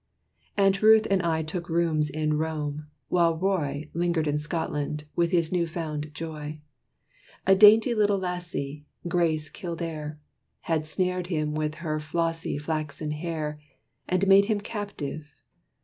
Aunt Ruth and I took rooms in Rome; while Roy Lingered in Scotland, with his new found joy. A dainty little lassie, Grace Kildare, Had snared him in her flossy, flaxen hair, And made him captive.